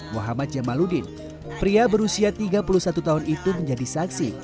muhammad jamaludin pria berusia tiga puluh satu tahun itu menjadi saksi